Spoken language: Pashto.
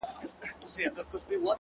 له دېوالونو یې رڼا پر ټوله ښار خپره ده؛